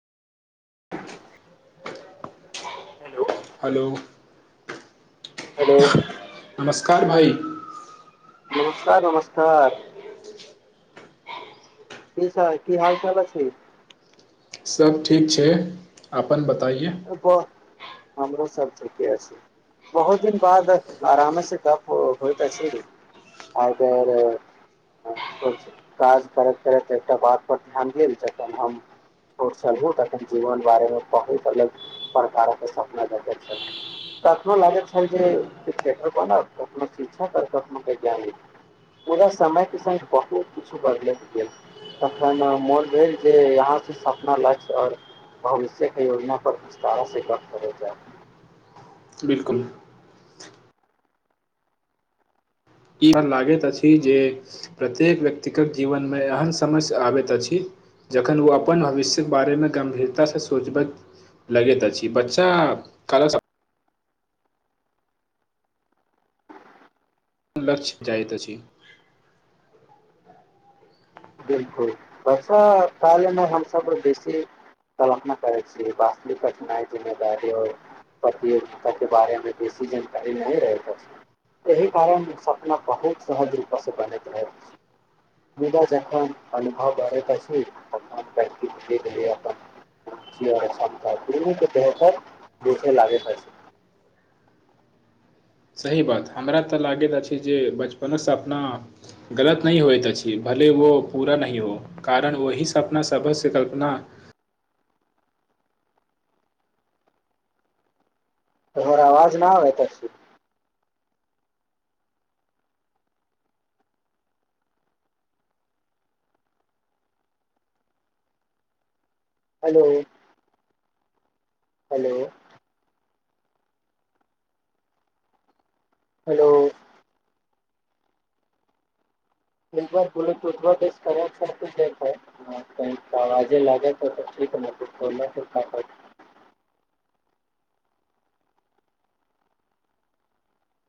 [unintelligible] hello hello hello नमस्कार भाइ नमस्कार नमस्कार की सर की हाल चाल अइछ सब ठीक छय अपन बताइए हमरो सब ठीके छय बहुत दिन बाद आरामे से गप्प होत अछी [unintelligible] हँ सोचलू काज करैत करैत एक्टा बात पर ध्यान गेल जखन हम ओर सहयो तखन जीवन बारे में बहुत अलग प्रकार कऽ सपना देखै छलु तखनो लागैत छल जे क्रिकेटर को नऽ कखनो शिक्षक आऽ कखनो वैज्ञानिक पुरा समय के साथ बहुत कुछ बदलत गेल तखन मोन भेल जे यहाँ से सपना लक्ष ओर भविष्य के योजना पर विस्तारा से गप करे जाइ बिल्कुल ई हम लागैत अछि जे प्रत्येक व्यक्तिक जीवन में एहन समस आबैत अछि जखन ओ अपन भविष्य के बारे में गम्भीरता सँ सोचबैत लगैत अछि बच्चा थोड़ा सा अपन लक्ष्य भी आयत अछि बिल्कुल बस [unintelligible] हमस बेसी कल्पना करय छी वास्तविक कठिनाइ जिम्मेदारी हो पति ओर पतदारे में बेसी जानकारी नहीं रहैत अछि एहि कारण सपना बहुत सहजिलपस बनैत रहै मुदा अनुभव भरत अपन कऽ भी गेल अपन बेहतर देखे लागे [unintelligible] सही बात हमरा तऽ लागैत अछि जे बचपन सँ सपना गलत नहि होइतऽ अछि भले वो पूरा नय हो कारण ओहि सँ सपना सब सँ कल्पना तोहर आवाज न आबैत अछि हेलो हेलो हेलो एक बुल करै ह काजे लागे तऽ तऽ ठीक ख [unintelligible]